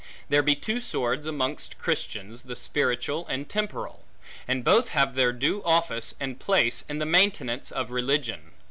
There be two swords amongst Christians, the spiritual and temporal; and both have their due office and place, in the maintenance of religion.